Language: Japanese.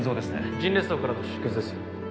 腎裂創からの出血です